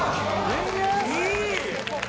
いい！